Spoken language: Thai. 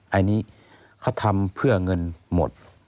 อันนี้เขาทำเพื่อเงินหมด